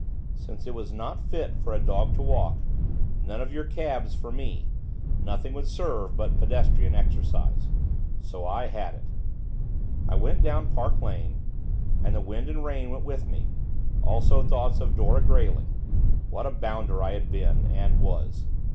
Since it was not fit for a dog to walk, none of your cabs for me, nothing would serve but pedestrian exercise. So I had it. I went down Park Lane, and the wind and rain went with me, also, thoughts of Dora Grayling. What a bounder I had been, and was!